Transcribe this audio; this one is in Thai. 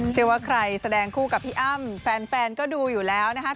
เชื่อว่าใครแสดงคู่กับพี่อ้ำแฟนก็ดูอยู่แล้วนะคะ